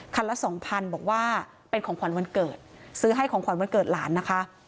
ละสองพันบอกว่าเป็นของขวัญวันเกิดซื้อให้ของขวัญวันเกิดหลานนะคะ